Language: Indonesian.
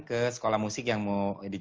ke sekolah musik yang mau